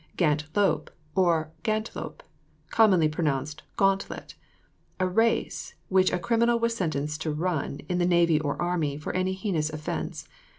GANT LOPE, OR GAUNTLOPE (commonly pronounced gantlet). A race which a criminal was sentenced to run, in the navy or army, for any heinous offence.